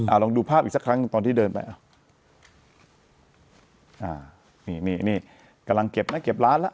ลองดูภาพอีกสักครั้งหนึ่งตอนที่เดินไปอ่ะอ่านี่นี่กำลังเก็บนะเก็บร้านแล้ว